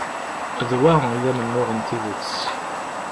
D wa i d amennuɣ n tidet.